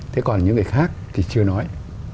thế còn những người khác thì chưa nói